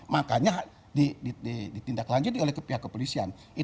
makanya ditindaklanjuti oleh pihak kepolisian